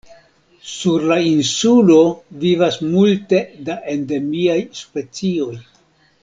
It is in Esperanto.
Sur la insulo vivas multe da endemiaj specioj.